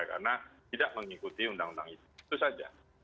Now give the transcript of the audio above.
karena tidak mengikuti undang undang itu itu saja